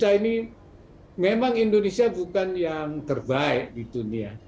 indonesia ini memang indonesia bukan yang terbaik di dunia